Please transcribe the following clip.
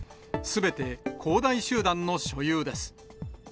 すべて恒大集団の所有です。